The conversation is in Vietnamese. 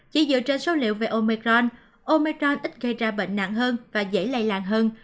chỉ dựa trên số liệu về omicron omicron ít gây ra bệnh nặng hơn và dễ lây làn hơn